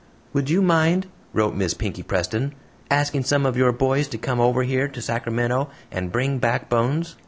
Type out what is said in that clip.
"Would you mind," wrote Miss Pinkey Preston, "asking some of your boys to come over here to Sacramento and bring back Bones?